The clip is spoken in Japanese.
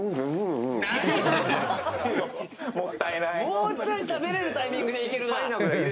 もうちょいしゃべれるタイミングでいけるなぁ。